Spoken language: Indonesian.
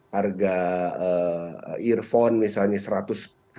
harga earphone misalnya rp seratus